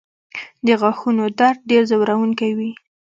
د غاښونو درد ډېر ځورونکی وي.